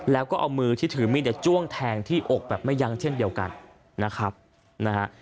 แล้วก็เอามือที่ถือมีดเนี่ยจ้วงแทงที่อกแบบไม่ยั้งเช่นเดียวกันนะครับนะฮะ